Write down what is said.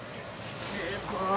すごい！